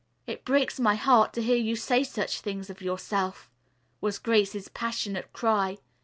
"It breaks my heart to hear you say such things of yourself," was Grace's passionate cry.